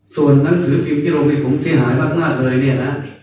ส่วนหนังสือพิมพ์ที่ลงในผมเสียหายมากเลยเนี่ยนะ